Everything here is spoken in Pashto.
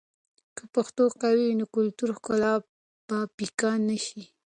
که پښتو قوي وي، نو کلتوري ښکلا به پیکه نه شي.